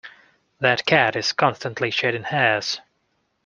That cat is constantly shedding hairs.